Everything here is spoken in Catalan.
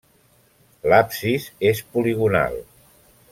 L'absis és poligonal.